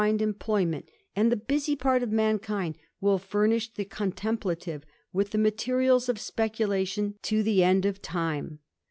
^ employment, and the busy part of mankind will furnish tb.^ contemplative with the materials of speculation to the en.<3 of time.